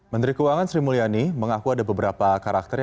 menteri keuangan sri mulyani mengaku ada beberapa karakter